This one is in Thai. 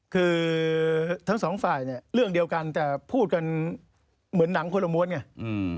คือทั้งสองฝ่ายเนี่ยเรื่องเดียวกันแต่พูดกันเหมือนหนังคนละม้วนไง